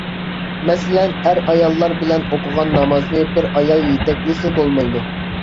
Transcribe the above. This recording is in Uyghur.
مەسىلەن، ئەر-ئاياللار بىللە ئوقۇغان نامازنى بىر ئايال يېتەكلىسە بولمايدۇ.